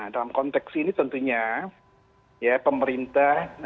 dalam konteks ini tentunya ya pemerintah